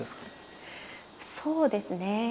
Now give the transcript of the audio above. そうですね。